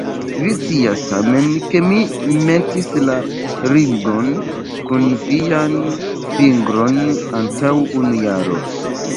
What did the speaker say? Vi scias tamen, ke mi metis la ringon sur vian fingron antaŭ unu jaro.